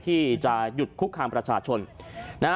ที่จะหยุดคุกคามประชาชนนะฮะ